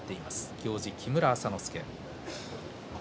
行司木村朝之助。